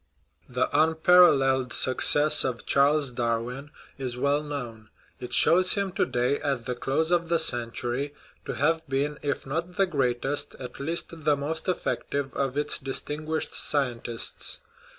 The unparalleled success of Charles Darwin is well known. It shows him to day, at the close of the cen tury, to have been, if not the greatest, at least the most effective of its distinguished scientists.